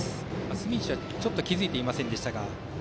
住石は気付いていませんでしたが。